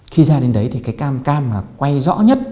khi ra đến đấy thì cam cam quay rõ nhất